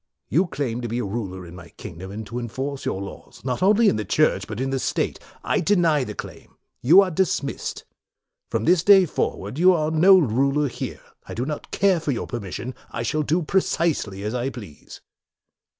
You claim 38 MORE to be a ruler in my kingdom, and to en force your laws, not only in the Church but in the state. I deny the claim. You are dismissed. From this day forward you are no ruler here. I do not care for your permission. I shall do precisely as I please."